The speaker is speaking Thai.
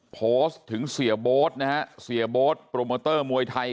โพสต์ถึงเสียโบ๊ทนะฮะเสียโบ๊ทโปรโมเตอร์มวยไทย